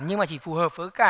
nhưng mà chỉ phù hợp với cả